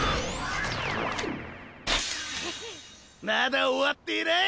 まだ終わっていない！